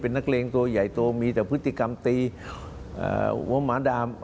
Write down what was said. เป็นนักเลวงโตใหญ่โตมีแต่ภฤติกรรมตีหะวะมาด่ำอะไรต่าง